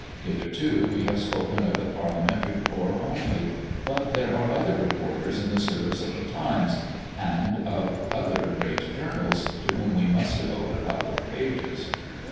Hitherto we have spoken of the Parliamentary corps only. But there are other reporters in the service of the Times and of other great journals, to whom we must devote a couple of pages.